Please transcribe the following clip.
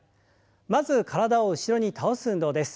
まず体を後ろに倒す運動です。